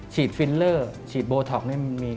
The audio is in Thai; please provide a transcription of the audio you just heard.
ฉีดฟินเรอฉีดโบโทคนี่ไม่มี